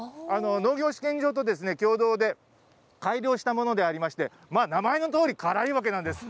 農業試験場と共同で改良したものでありまして、まあ、名前のとおり辛いわけなんです。